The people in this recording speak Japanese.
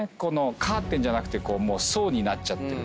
カーテンじゃなくて層になっちゃってると。